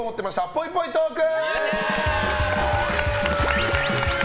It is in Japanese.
ぽいぽいトーク！